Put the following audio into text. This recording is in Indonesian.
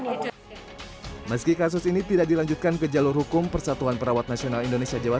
namun meski kasus ini tidak dilanjutkan ke jalur hukum persatuan perawat nasional indonesia jawa